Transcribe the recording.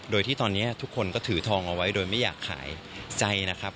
โดยที่ตอนนี้ทุกคนก็ถือทองเอาไว้โดยไม่อยากขายใจนะครับ